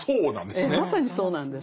ええまさにそうなんです。